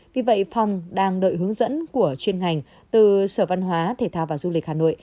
vì vậy phòng đang đợi hướng dẫn của chuyên ngành từ sở văn hóa thể thao và du lịch hà nội